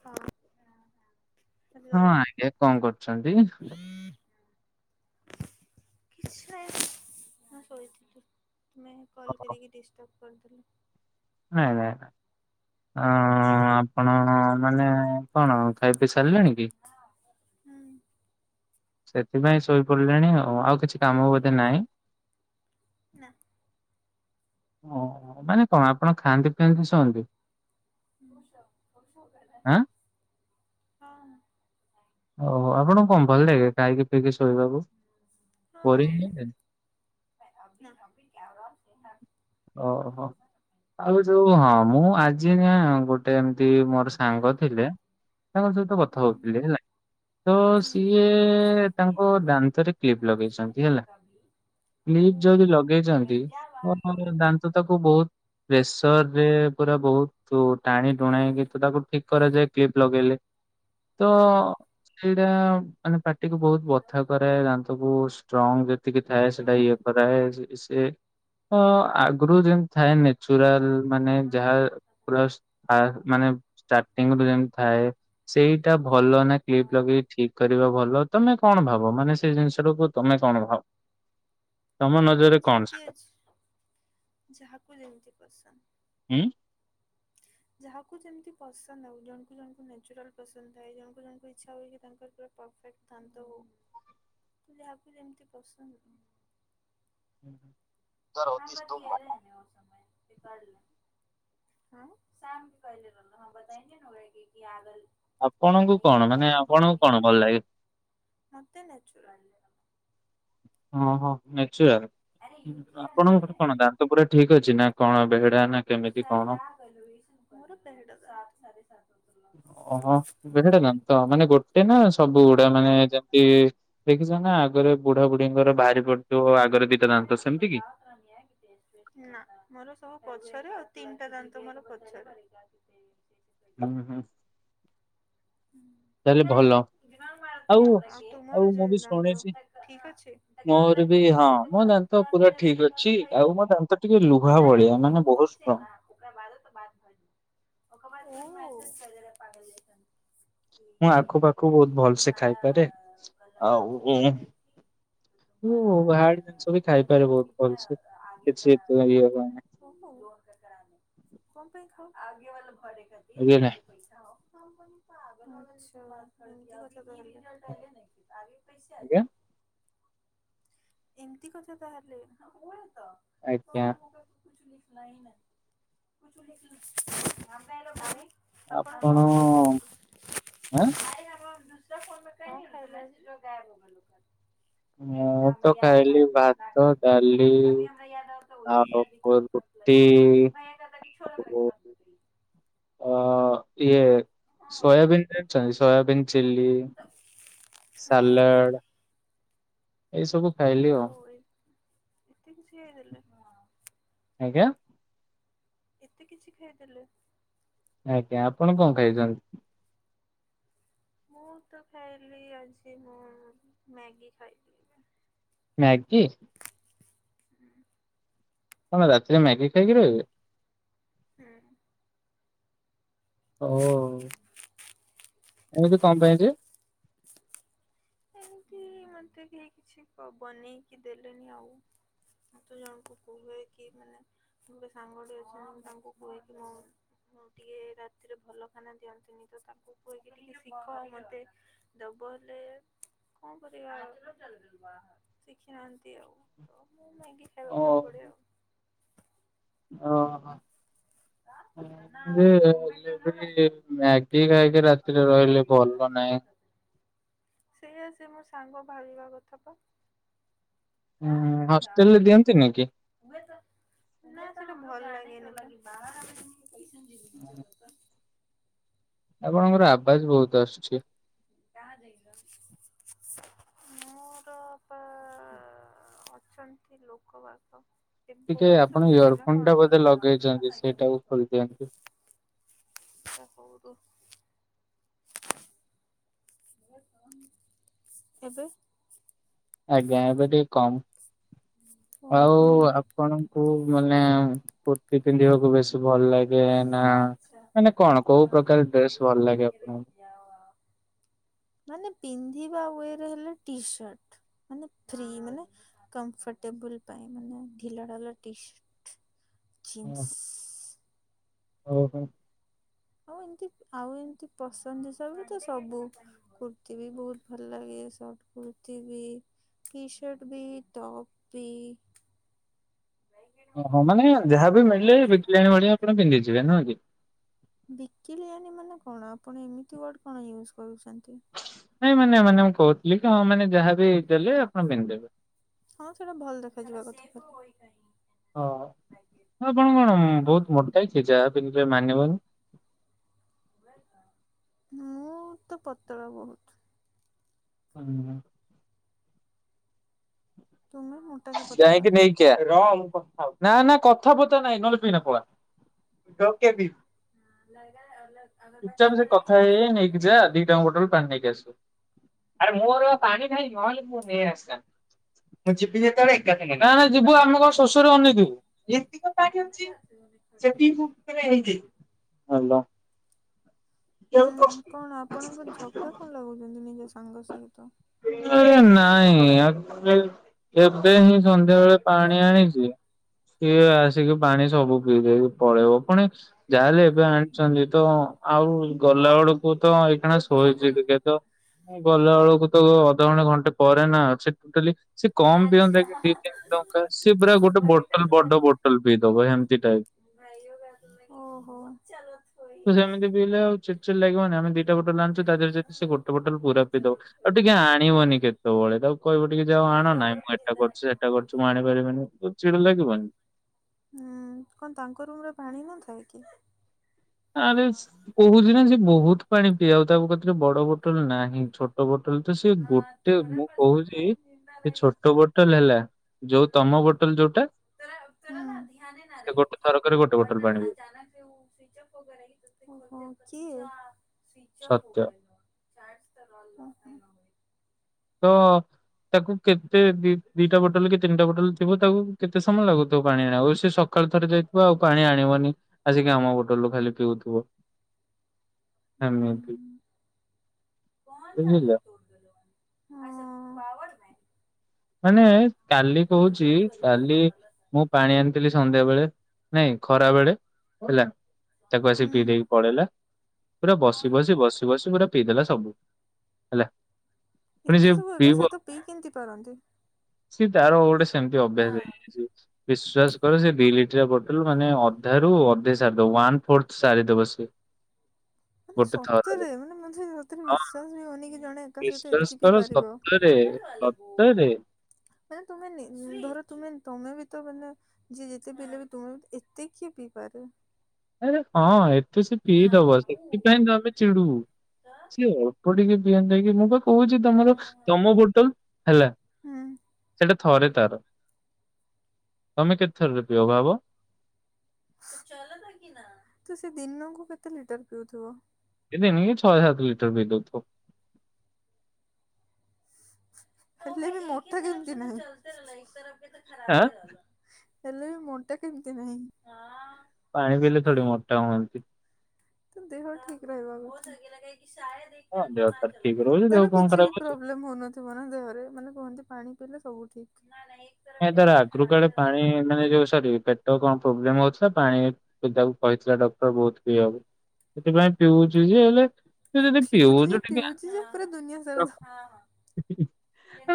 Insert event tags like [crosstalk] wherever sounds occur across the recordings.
ହଁ [inaudible] ହଁ, ଆଜ୍ଞା କଣ କରୁଛନ୍ତି? କିଛିନାଇଁ, ହଁ ଶୋଇଥିଲି ନେ କଲ୍ କରିକି ଡିଷ୍ଟର୍ବ କରିଦେଲି। ନାଇଁ ନାଇଁ ନା। ହଁ, ଆପଣ-ଅ ମାନେ କଣ ଖାଇ ପିଇ ସାରିଲେଣି କି? ହୁଁ। ସେଥିପାଇଁ ଶୋଇପଡିଲେଣି ଆଉ ଆଉ କିଛି କାମ ବୋଧେ ନାହିଁ। ନା। ଓହ ମାନେ କଣ ଆପଣ ଖାଆନ୍ତି ପିଅନ୍ତି ଶୁଅନ୍ତି। ଆଁ ହଁ। ଓହ ଆପଣଙ୍କୁ କଣ ଭଲ ଲାଗେ ଖାଇକି ପିଇକି ଶୋଇବାକୁ ବୋରିଂ [inaudible] ଓହୋ ଆଉ ଯୋଉ ହଁ ମୁଁ ଆଜି ନା ଗୋଟେ ଏମିତି ମୋର ସାଙ୍ଗ ଥିଲେ ତାଙ୍କ ସହିତ କଥା ହଉଥିଲି ହେଲା। ତ ସିଏ ତାଙ୍କ ଦାନ୍ତରେ କ୍ଲିପ ଲଗେଇଛନ୍ତି ହେଲା। [unintelligible] କ୍ଲିପ୍ ଯଦି ଲଗେଇଚନ୍ତି। [unintelligible] ଦାନ୍ତ ତାକୁ ବହୁତ ପ୍ରେସର ରେ ପୁରା ବହୁ ତୁ ଟାଣି ଟୁଣା ହେଇକି ତୁ ତାକୁ ଠିକ୍ କରାଯାଏ କ୍ଲିପ ଲଗେଇଲେ। ତ ହଁ ସେଇଟା ମାନେ ପାଟିକୁୁ ବହୁତ ବଥା କାଏ ଦାନ୍ତକୁ। ଷ୍ଟ୍ରଙ୍ଗ ଯେତିକି ଥାଏ ସେଟା ଇଏ କରାଏ ସେ ସେ ଅ ଆଗୁରୁ ଯେମତି ଥାଏ ନେଚୁରାଲ ମାନେ ଯାହା ପୁ ଆ ମାନେ ଷ୍ଟାଟିଙ୍ଗ ରୁ ଯେମତି ଥାଏ ସେଇଟା ଭଲ ନା କ୍ଲିପ ଲଗେଇ। ଠିକ୍ କରିବା ଭଲ ତମେ କଣ ଭାବ ମାନେ ସେ ଜିନିଷ ଟାକୁ ତମେ କଣ ଭାବ? ତମ ନଜ ଯେମିତି ଅଛି ଯାହାକୁ ଯେମିତି ପସନ୍ଦ। ହୁଁ। ଯାହାକୁ ଯେମିତି ପସନ୍ଦ ଆଉ ଜଣଙ୍କୁ ଜଣଙ୍କୁ ନ୍ୟଚୁରାଲ ପସନ୍ଦ ଥାଏ ଜଣକୁ ଜଣଙ୍କୁ ଇଚ୍ଛା ହୁଏ କି ତାଙ୍କର ପୋରା ପରଫେକ୍ଟ। ଟାନ୍ତ କୁ ହଁ ଯାହାକୁ ଯେମିତି ପସନ୍ଦ। [inaudible] ହଁ। ଆପଣଙ୍କୁ କଣ ମାନେ ଆପଣଙ୍କୁ କଣ ଭଲ ଲାଗେ। ମତେ ନ୍ୟାଚୁରାଲ। ଅହ ନେଚୁରାଲ ଆରେ ଆପଣଙ୍କୁ ୟୁପିଆ [unintelligible] ତ ପୁରା ଠିକ୍ ଅଛି ନା କଣ ଏବେ ହେଡା ନା କେମିତି କଣ? ମୋର ତେହେଡା ଦା ଓହୋ ବେ ସେଟା ଦାନ୍ତ ମାନେ ଗୋଟେ ନା ସବୁ ଗୁଡା ମାନେ ଯେମତି ଦେଖିଛ ନା ଆଗରେ ବୁଢା ବୁଢୀଙ୍କର ବାହାରି ପଡିଥିବ ଆଗରେ ଦି ଟା ଦାନ୍ତ ସେମିତି କି। ନା ମୋର ସବୁ ପଛରେ ଆଉ ତିନିଟା ଦାନ୍ତ ମୋର ପଛରେ। ହୁଁ ହୁଁ। ତାହେଲେ ଭଲ। ଆଉ ଆଉ ତୁମର ଯେ ମୁଁ ବି ଦାନ୍ତ ଶୁଣିଛି ଠିକ୍ ଅଛି। ମୋର ବି ହଁ ମୋ ଦା ନ୍ତ ପୁରା ଠିକ୍ ଅଛି ଆଉ ମୋ ଦାନ୍ତ ଟିକେ ଲୁହା ଭଳିଆ ମାନେ ବହୁତ ଷ୍ଟ୍ରଙ୍ଗ। [inaudible] ମୁଁ ଆଖୁ ପାଖୁ ବହୁତ ଭଲସେ ଖାଇପାରେ। ଆଉ ମୁଁ ହାଡ ଜିନିଷ ବି ଖାଇପାରେ ବହୁତ ଭଲସେ କିଛି ଇଏ ହୁଏନି। [inaudible] [unintelligible] ଆଛା ଏମିତି କଥା। ଆଜ୍ଞା [inaudible] ଏମିତି କଥା ତାହାଲେ। [inaudible] ଆଜ୍ଞା ଆପଣ ଆଁ କଣ [inaudible] [inaudible] ମୁଁ ତ ଖାଇଲି ଭାତ ଡାଲି [inaudible] ଆଉ ରୁଟି ଆଉ [inaudible] ଅ ଇଏ ସୋୟାବିନ୍ ଜାଣିଚନ୍ତି ସୋୟାବିନ୍ ଚିଲ୍ଲି ହଁ ସାଲଡ଼ ଏଇ ସବୁ ଖାଇଲି ଓ ଆଉ। ଏ- ଏତେ କିଛି ହେଲେ ଆଜ୍ଞା? ଏତେ କିଛି ଖାଇଦେଲେ? ଆଜ୍ଞା। ଆପଣ କଣ ଖାଇଚନ୍ତି? ମୁଁ ତ ଖାଇଲି ଆଜି ମୁଁ ମ୍ୟାଗି ଖାଇଲି। ମ୍ୟାଗି? ହୁଁ। ତମେ ରାତିରେ ମ୍ୟାଗି ଖାଇକି ରହିବେ? ହୁଁ। ଓ। ଏମତି କଣ ପାଇଁ ଯେ? ଏମିତି ମତେ କେହି କିଛି ବନେଇକି ଦେଲେନି ଆଉ। ତୁ ଜଣଙ୍କୁ କୁହେ କି ମାନେ ସାଙ୍ଗଟି ଅଛନ୍ତି ମୁ ତାଙ୍କୁ କୁହେକି ମୁଁ ମୁଁ ଟିକେ ରାତିରେ ଭଲ ଖାନା ଦିଅନ୍ତିନି ତ ତାକୁ କୁହେକି ଟିକେ ଶିଖାଅ ମତେ। ଦ ବୋଲେ କଣ କରିବା ଆଉ ଶିଖିନାହାନ୍ତି ଆଉ। ତ ମୁଁ ମ୍ୟାଗି ଖାଇବା ଓ ପାଇଁ ପଡିବ ଆଉ। ଓ ହ। [unintelligible] ମାଗି ଖାାଇକି ରାତିିରେ ରହିଲି ଭଲ ନାହିଁ। [inaudible] ସେଇଆ ସେ ମୋ ସାଙ୍ଗ ଭାବିବା କଥା ବା। ହୁଁ ହଷ୍ଟେଲରେ ଦିଅନ୍ତି ନି କି? [inaudible] ଆପଣଙ୍କର ଆବାଜ ବହୁତ ଆସୁଚି। ମୋର ପା ଅଛନ୍ ଏ ଲୋକବାକ। ଏ ଟିକେ ବହୁତ ଆପଣ ଶୁଭୁଛି ନା ଇୟରଫୋନ ଟା କଣ? ବୋଧେ ଲଗେଇଛନ୍ତି ସେଇଟାକୁ ଖୋଲିଦିଅନ୍ତୁ। [unintelligible] ଏବେ? ଆଜ୍ଞା ଏବେ ଟିକେ କମ୍। ଆଉ ଓହୋ ଆପଣଙ୍କୁ ମାନେ କୁର୍ତ୍ତିୀ ପିନ୍ଧିବାକୁ ବେଶୀ ଭଲ ଲାଗ ଏ ନା ମାନେ କଣ କୋଉ ପ୍ରକାର ଡ୍ରେସ ଭଲ ଲାଗେ ଆପଣଙ୍କୁ ମାନେ ପିନ୍ଧିବା ୱ ରେ ହେଲେ ଟିସାର୍ଟ। ମାନେ ଫ୍ରି ମାନେ କମ୍ଫର୍ଟେବୁଲ ପାଇଁ ମାନେ ଢିଲଡଲ ଟିସର୍ଟ ଜିନ୍ସ ଓଉହୋ ଆଉ ଏମତି ଆଉ ଏମତି ପସନ୍ଦ ହିସାବ ତ ସବୁ କୁର୍ତିୀ ବି ବହୁତ ଭଲ ଲାଗେ ସଟ କୁର୍ତ୍ତିୀ ବି ଟି ଶର୍ଟ ବି ଟୋପି ଓହୋ ମାନେ ଯାହାବ ମିଳିଲେ ବିକିଲାଣି ଭଳିଆ ଆପଣ ପିନ୍ଧି ଯିବେ ନୁହେଁ କି? ବିକିଲି ଆଣି ମାନେ କଣ ଆପଣ ଏମିତି ଉଆଡ କଣ ୟୁଜ୍ କରୁଛନ୍ତି। ନାଇଁ ମାନେ ମାନେ ମୁଁ କହୁଥିଲି କି ହଁ ମାନେ ଯାହା ବି ଦେଲେ ଆପଣ ପିନ୍ଧଦେବେ। ହଁ ସେଟା ଭଲ ଦେଖାଯିବା କଥା। ହଁ ଆପଣ କଣ ବହୁତ ମୋଟା ଛି ଯାହା ପିନ୍ଧିବେ ମାନିବନି। ହୁଏ ତ ମୁଁ ତ ପତଳା ବହୁତ। ହୁଁ [unintelligible] ତୁମେ ମୋଟା କି ପତାଳା। ର କଥା ହୋଉଛି ନା ନା କଥାପଥା ନାଇଁ ନହେଲେ ଟୁ ଏଇନା ପଲା। ହଁ ଲଗା ବଚ୍ଚା ନ ଲ ସମଟ [unintelligible] ଗୋଟେରେ ପାନି ନେଇକି ଆଶିବେ। ଆରେ ମୋର ପାଣି କାଇଁ ମଲକୁ ନେଇ ଆସିଲା ମୁଁ ଯିବି ନା ନା ଯିବୁ ଆମ କଣ? [unintelligible] ଅ [unintelligible] ହୁଁ କଣ ଆପଣଙ୍କ ଝଗଡା କଣ ଲାଗୁଛନ୍ତି ନିଜ ସାଙ୍ଗ ସହିତ। ଆରେ ନାଇଁ ଆକଚୁଆଲି। ଏବେ ହିଁ ସନ୍ଧ୍ୟାବେେଳେ ପାଣି ଆଣିଛି। କିଏ ଆସିକି ପାଣି ସବୁ ପିଇକି ପଳେଇବ ପୁଣି ଯାହାହେଲେ ଏବେ ଆଣି ତା ନିଦ ଆଉ ଗଲା ବେଳକୁ ତ ଏଇଣା ଶୋଇଛି ଟିକେ ତ ଗଲାବେଳକୁ ତ ଅଧଘଣ୍ଟେ ଘଣ୍ଟେ ପରେ ନା ଅଛି ଟୋଟାଲି ସିଏ କମ ପିଅନ୍ତା କି ଦି ତିନି ଟଙ୍କା ସିଏ ପୁରା ଗୋଟେ ବୋଟଲ ବଡ ବୋଟଲ ପିଇ ଦବ ଏମିତି ଟାଇପ ଓହୋ ତ ସେମିତି ପିଇ ଲେ ଆଉ ଚଡ ଚିଡ୍ ଲାଗିବନି ଆମେ ଦି ଗୋଟେ ବତଲ ଆଣିଛ ତା ଦେହ ଯଦି ସେ ଗୋଟେ ବତଲ ପୁରା ପିଇଦବ ଆଉ ଟିକେ ଆଣିବନି କେତେବେଳେ ତାକୁ କହିବ ଟିକେ ଯୋଉ ଆଣ ନାହି ମୁଁ ଏଟା କରୁଛି ସେଟା କରୁଛିୁ ମୁଁ ଆଣିପାରିବିନି। ଚିଡା ଲାଗିବନି। ହୁଁ କଣ ତାଙ୍କ ରୁମ ରେ ପାଣି ନଥାଏ କି। ଆରେ କହୁଛି ନା ସେ ବହୁତ ପାଣି ପିଏ ଆଉ ତାଙ୍କ ପାଖରେ ବଡ ବୋଟଲ ନାହିଁ ଛୋଟ ଛୋଟ ବୋଟଲ ତ ସେ ଗୋଟେ ମୁଁ କହୁଛି ସେ ଛୋଟ ବୋଟଲ ହେଲା। ଯୋଉ ତମ ବୋଟେଲ ଯୋଉଟା ଧ୍ୟାନ ନା ସେ ରହି ଗୋଟେ ଥରକରେ ଗୋଟେ ଠିକ ଅ ବୋଟଲ ନା ପାଣି ପିଇବ ଅଚାନକ ସେ ସ୍ଵିଚ ଅପ୍ ସତ୍ୟ [unintelligible] ଓହୋ [unintelligible] ତ ତାକୁ କେତେ ଦ ଦିଟା ବୋଟଲ କି ତିନିଟା ବୋଟଲ ଥିବ ତାକୁ କେତେ ସମୟ ଲାଗୁଥିବ ପାଣି ଆଣ ଆଉ ସେ ସକାଳୁ ଥରେ ଯାଇଥିବ ଆଉ ପାଣି ଆଣିବନି ଆସିକି ଆମ ହୋଟେଲରୁୁ ଖାଲି ପିଉଥିବ। ଏମିତି ଉ ବୁଝିଲ। ହୁଁ। ହଁ। ମାନେ କାଲି କହୁଚି କାଲି ମୁଁ ପାଣି ଆଣିଥିଲି ସନ୍ଧ୍ୟା ବେଳେ ନାଇଁ ଖରା ବେଳେ ହେଲା ତାକୁ ଆସିିକ ହୁଁ ପିଇ ଦେଇି ପଳେଇଲା ପୁରା ବସି ବସି ବସି ବସି ପୁରା ପିଇଦେଲା ସବୁ ହେଲା। ପୁଣି ଏତେ ସେ ସବୁ ଏକା ସେ ପିଇବ ତ ପିଇ କେମିତି ପାରନ୍ତି? ସେ ତାର ଗୋଟେ ସେମିତି ଅଭ୍ୟାସ ହେଇଯାଇଚି। ବିଶ୍ୱାସ କର ସେ ଦି ଲିଟର ବୋଟଲ ମାନେ ଅଧା ରୁ ଅଧେ ସାରିଦ ୱାନ୍ ଫୋର୍ଥ ସାରିଦବ ସିଏ। ମାନେ ସତରେ ମାନେ ମତେ ସତେରେ ହଁ ବିଶ୍ୱାସ ବି ହନି ଜଣେ କା ସହିତ ବିଶ୍ଵାସ ଏତିକି ପିଇ କର ପାରିବ। ସତରେ ସତରେ ମାନେ ତୁମେ ନି ଧର ତୁମେ ତମେ ବି ତ ମାନେ ଯିଏ ଯେତେ ପିଇଲେ ବି ତୁମେ ଏତେ କିଏ ପିଇପାରେ ଆରେ ହଁ ଏତେ ସେ ପିଇଦବ ସେଥିପାଇଁ ତମେ ଚିଡୁ ସିଏ ଅ ଏ ଟିକେ ପିଆ ନେଇକି ମୁଁ ବା କହୁଚି ତମର ତମ ହୋଟେଲ ହେଲା। ହୁଁ ସେଇଟା ଥରେ ତାର ତମେ କେତେଥରରେ ପିଅ ଭାବ। ତୁ ସେ ଦିନକୁ କେତେ ଲିଟର ପିଉଥିବ? [unintelligible] ଛ ସାତ ଲିଟର ପିଦଉଥିବ। ହେଲେ ବି ମୋଠା କେମିତି ନାହିଁ? ଆଁ ହେଲେ ମୁଣ୍ଡ କେମିତି ନାହିଁ? ପାଣି ପିଇଲେ ଥୋଡି ମୋଟା ହୁଅନ୍ତି। ତ ଦେହ ଠିକ ରହିବ। ହଁ ଦେହ ତାର ଠିକ ରହୁଛି ଦେହ ତାର କଣ କିଛି ଖରାପ ବି ହଉଛି ପ୍ରୋବ୍ଲେମ ହଉନଥି [unintelligible] ଦେହରେ ମାନେ କୁହନ୍ତି ପାଣି ପିଇଲେ ସବୁ ଠିକ୍। ନାଇ ତାର ଆଗରୁ କାଳେ ପାଣି ମାନେ ଯୋଉ ସରି ତାର କଣ ପ୍ରୋବ୍ଲେମ ଅଛି ତ ପାଣି ପିବାକୁ କହିଥିଲା ଡକ୍ଟର ବହୁତ ପିଇବାକୁ। ସେଥିପାଇଁ ପିଉଚି ଯେ ହେଲେ ତୁ ଯଦି ପିଉଛି ପିଉଚୁ ଯେ ଟିକେ ଆ ପିଉଛି ଯେ ପୁରା ଦୁନିଆ ସାରା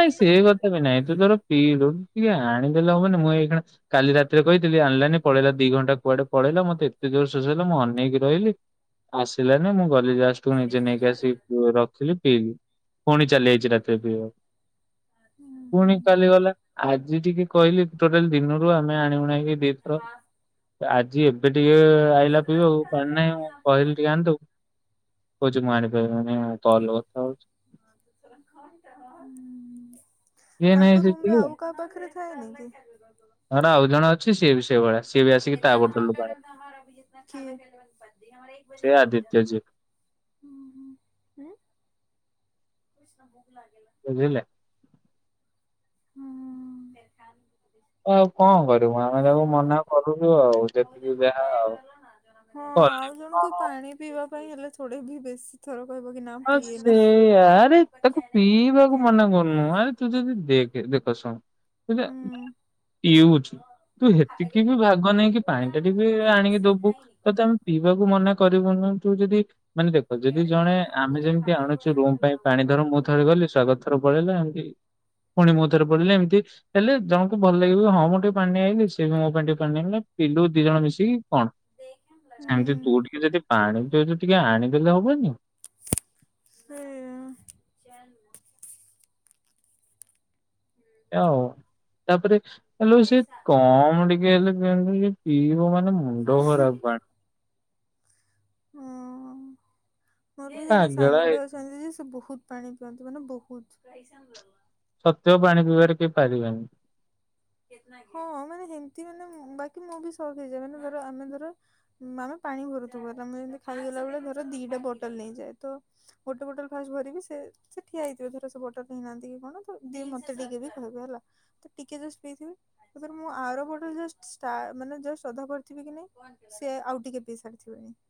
ନାଇଁ ସେ କଥା ବି ନାଇଁ ତୁ ତୋର ପିିଇଲୁ ଟିକେ ଆଣିଦେଲେ ହବନି ମୁଁ ଏଇକ୍ଷୀଣା କାଲି ରାତିରେ କହିଥିଲି ଆଣିଲାନି ପଳେଇଲା ଦି ଘଣ୍ଟା କୁଆଡେ ପଳେଇଲା ମତେ ଏତେ ଯୋର ଶୋଷ ହେଲା ମୁଁ ଅନେଇକି ରହିଲି ଆସିଲାନି ମୁଁ ଗଲି ଲାଷ୍ଟ ତୁ ନିଜେ ନେଇକି ଆସିକି ପୁ ରଖିଲି ପିଇବି ପୁଣି ଚାଲିଆଇଚି ରାତିରେ ପିଇବାକୁ। ପୁଣି କାଲିଗଲା ଆଜି ଟିକେ କହିଲି ଟୋଟାଲ ଦିନରୁ ଆମେ ଆଣି ଉଣାଇକି ଦି ଥର ଆଜି ଏବେ ଟିକେ ଆଇଲା ପିଇବା ଆଉ ପାଣି ନାହିଁ ମୁଁ କହିଲି ଟିକେ ଆଣିଦବୁ କହୁଚି ମୁଁ ଆଣିପାରିବିନି କଲ ରେ କଥା ହଉଚି। ଇଏ ନାଇଁ ତାଙ୍କ ସେ ରୁମ ରେ ପିଇବ। ଆଉ କାହା ପାଖରେ ହୋଉନିକି ହେଟା ଆଉ ଜଣ ଅଛି ସିଏ ବି ସେଇଭଳିଆ ସିଏ ବି ଆସିକି ତା ବୋତଲ ରୁ ପାଣି କିଏ? ସେ ଆଦିତ୍ୟଜୀ ହୁଁ ହୁଁ ହେଁ? ବୁଝିଲେ? ହୁଁ। ଆଉ କଣ କରିବୁ ଆମେ ତାକୁ ମନା କରୁଚୁ ଆଉ ଯେତିକି ଯାହା ଆଉ। ହଁ କଲେ ଆଉ ଜଣଙ୍କୁ କଣ ପାଣି ପିଇବା ପାଇଁ ହେଲେ ଥୋଡେ ବି ବେଶୀ। ଥର କହିବ କି ନା ହଁ ପିଏ ନା। ସେଇଆ ଆରେ ତାକୁ ପିଇବାକୁ ମନା କରୁନୁ ଆରେ ତୁ ଯଦି ଦେଖ। ଇଏ ଦେଖ ଶୁଣ ଏଇଟା ଇଉଜ୍। ତୁ ହେତିକି ବି ଭାବିନା ନାଇକି ପାଣି ଟା ଟିକେ ଆଣିକି ଦବୁ ତତେ ଆମେ ପିଇ ପି ବାକୁ ମନା କରିବୁନି ତୁ ଯଦି ମାନେ ଦେଖ ଯଦି ଜଣେ। ଆମେ ଯେମିତି ଆଣୁଛୁ ରୁମ ପାଇଁ ପାଣି ଧର ମୁଁ ଥରେ ଗଲି ସ୍ଵାଗତ ଥର ପଳେଇଲା ଏମିତି। ଫୁଣି ମୁଁ ଥରେ ପଳେଇଲି ଏମିତି ହେଲେ ଜଣଙ୍କୁ ଭଲ ଲାଗିବ ହଁ ମୁଁ ଟିକେ ପାଣି ନେଇ ଆଇଲିି। ସେ ମୋ ପାଇଁ ଟିକେ ପାଣି ନେଇ ଆଇଲା ପିଲୁ ଦି ଜଣ ମିଶିକି କଣ ସେମିତି ତୁ ଟିକେ ଯଦି। ପାଣି ଟିକେ ଯଦି ଟିକେ ଆଣିଦେଲେ ହବନି। ସେଇୟା। ଏ ଆଉ ତାପରେ ଆଲୋ ସେ କମ ଟିକେ ହେଲେ ପିଅନ୍ତା ଇଏ ପିଇବ ମାନେ ମୁଣ୍ଡ ଖରାପ ପାଣି। ହଁ ମୋର ବି ଜଣେ ପାଗେଳା ହେଇ ସାଙ୍ଗଟେ ଅଛି। ଅଛନ୍ତି ଯେ ସେ ବହୁତ ପାଣି ପିଅନ୍ତି ମାନେ ବହୁତ। ସତ୍ୟ କୁ ପାଣି ପିଇବାରେ କେହି ପାରିବେନି। ହଁ ମାନେ ହେମତି ମାନେ ବାକି ମୁଁ ବି ସକ ହେଇଯାଏ ମାନେ ଧର ଆମେ ଧର ମାନେ ପାଣି ଭରୁଥିବ ତମେ ଯେମିତି ଖାଇଲା ବେଳେ ଧର ଦିଟା ବୋତଲ ନେଇଯାଏ ତ। ଗୋଟେ ବୋଟଲ ଫାଷ୍ଟ ଭରିବି ସେ। ସେ ଠିଆ ହେଇଥିବ ଧର ସେ ବଟଲ ନେଇ ନାହାନ୍ତି କି କଣ ତ ଦିଏ ମତେ ଟିକେ ବି କହିବେ ହେଲା ତ ଟିକେ ଜସ୍ ଯାଇଥିମି। ଏଥର ମୁଁ ଆର ବୋଟଲ ଜଷ୍ଟ ଷ୍ଟା ମାନେ ଅଧା ଭରିଥିବି କି ନାଇଁ ସେ ଆଉ ଟିକେ ପିଇ ସାରି ଥିବେଣି।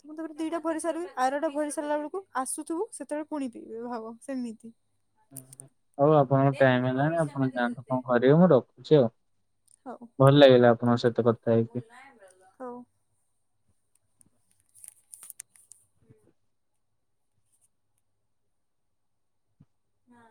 ତ ମୁଁ ତାପରେ ଦିଟା ଭରି ସାରିବି ଆରଟା ଭରି ସାରିଲା ବେଳକୁ ଆସୁଥିବୁ ସେତେବେଳେ ପୁଣି ପିଇବେ ଭାବ ସେମିତି। ହୁଁ ହୁଁ ହଉ ଆପଣଙ୍କ ଟାଇମ ହେଲାଣି ଆପଣ ଯାଆନ୍ତୁ କଣ କରିବେ ମୁଁ ରଖୁଛି ଆଉ। ହଉ ଭଲ ଲାଗିଲା ଆପଣଙ୍କ ସହିତ କଥା ହେଇକି। ହଉ। ହୁଁ। ହଁ।